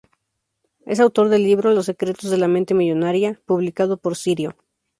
Es autor del libro "Los secretos de la mente millonaria", publicado por Sirio.